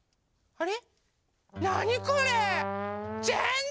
あれ？